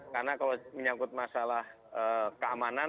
karena kalau menyangkut masalah keamanan